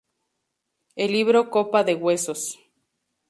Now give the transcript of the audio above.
El libro "Copa de Huesos.